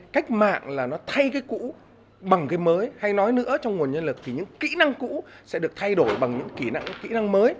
cách mạng là nó thay cái cũ bằng cái mới hay nói nữa trong nguồn nhân lực thì những kỹ năng cũ sẽ được thay đổi bằng những kỹ năng kỹ năng mới